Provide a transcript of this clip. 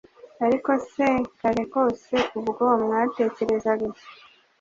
Ariko se kare kose ubwo mwatekerezaga iki